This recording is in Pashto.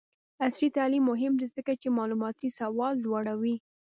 عصري تعلیم مهم دی ځکه چې معلوماتي سواد لوړوي.